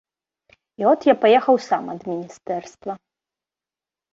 І от я паехаў сам ад міністэрства.